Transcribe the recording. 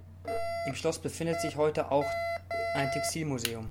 Im Schloss befindet sich heute auch ein Textilmuseum.